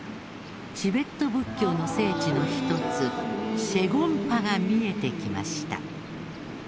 チベット仏教の聖地の一つシェ・ゴンパが見えてきました。